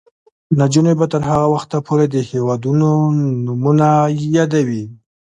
نجونې به تر هغه وخته پورې د هیوادونو نومونه یادوي.